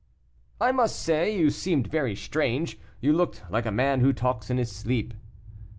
"I must say you seemed very strange; you looked like a man who talks in his sleep."